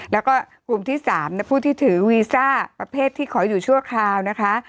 แล้วก็กลุ่มที่๓ผู้ที่ถือวีซ่าประเภทที่ขออยู่ชั่วคราวนะคะ